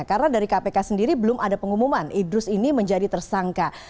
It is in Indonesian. karena dari kpk sendiri belum ada pengumuman idrus ini menjadi tersangka